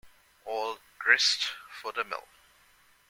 All grist for the mill.